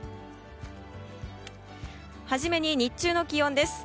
初めに日中の気温です。